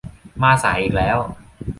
มาสายอีกแล้ว